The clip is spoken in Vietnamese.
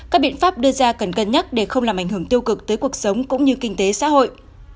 chuyên gia cần cân nhắc để không làm ảnh hưởng tiêu cực tới cuộc sống cũng như kinh tế xã hội